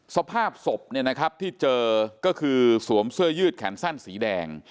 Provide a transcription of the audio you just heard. สภาพศพเนี่ยนะครับที่เจอก็คือสวมเสื้อยืดแขนสั้นสีแดง